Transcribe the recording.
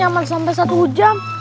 nyaman sampai satu jam